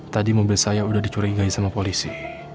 tadi mobil saya sudah dicurigai sama polisi